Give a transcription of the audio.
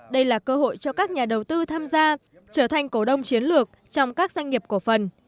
đây là cơ hội cho các nhà đầu tư tham gia trở thành cổ đông chiến lược trong các doanh nghiệp cổ phần